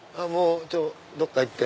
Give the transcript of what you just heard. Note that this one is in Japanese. どっか行って。